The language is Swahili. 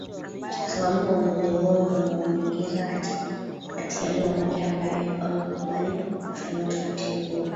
kwa sababu uamuzi huo ungemuingiza hatiyani mamake ambaye alikuwa amekubali afanyiwe utaratibu huo